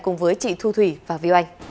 cùng với chị thu thủy và viu anh